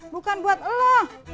bukan buat lo